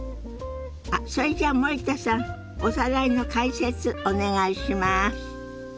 あっそれじゃあ森田さんおさらいの解説お願いします。